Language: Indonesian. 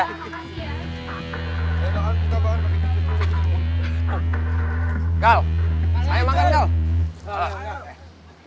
engkau saya makan engkau